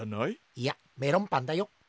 いやメロンパンだよ。